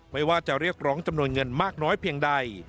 ไม่ว่าจะเรียกร้องจำนวนเงินมากน้อยเพียงใด